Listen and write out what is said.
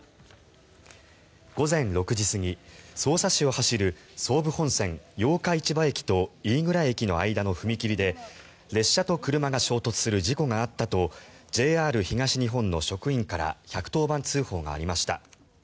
午前６時過ぎ、匝瑳市を走る総武本線八日市場駅と飯倉駅の間の踏切で列車と車が衝突する事故があったとＪＲ東日本の職員から１１０番通報がありました。